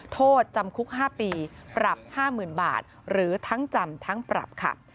โทษจำคุก๕ปีปรับ๕๐๐๐บาทหรือทั้งจำทั้งปรับค่ะ